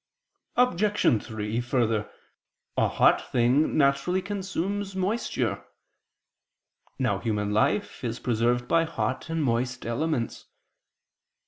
Obj. 3: Further, a hot thing naturally consumes moisture. Now human life is preserved by hot and moist elements.